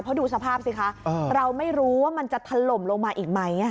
เพราะดูสภาพสิคะเราไม่รู้ว่ามันจะถล่มลงมาอีกไหม